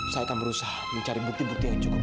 saya akan berusaha mencari bukti bukti yang cukup